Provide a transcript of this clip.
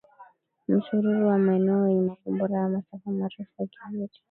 msururu wa maeneo yenye makombora ya masafa marefu ya kivita